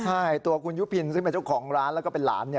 ใช่ตัวคุณยุพินซึ่งเป็นเจ้าของร้านแล้วก็เป็นหลาน